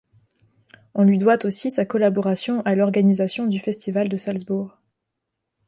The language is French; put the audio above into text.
On lui doit aussi sa collaboration à l’organisation du Festival de Salzbourg.